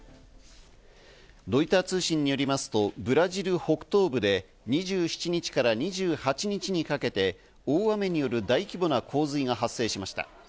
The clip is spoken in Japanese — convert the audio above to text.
ロイター通信によりますと、ブラジル北東部で２７日から２８日にかけて、大雨による大規模な洪水が発生しました。